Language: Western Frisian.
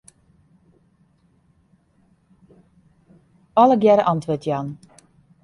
Allegearre antwurd jaan.